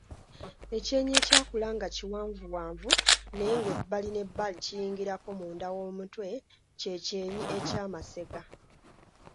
Ekyenyi ekyakula nga kiwanvuwanvu naye nga ebbali n’ebbali kiyingirako munda w’omutwe kye kyenyi ky’amasega.